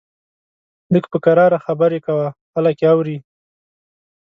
لږ په کرار خبرې کوه، خلک يې اوري!